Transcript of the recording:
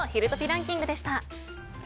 ランキングでした。